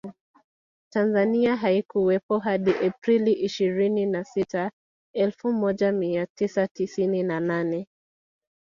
Tanzania haikuwepo hadi Aprili ishirini na sita elfu moja mia tisa sitini na nne